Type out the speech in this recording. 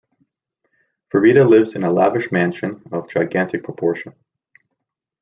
Faridi lives in a lavish mansion of gigantic proportion.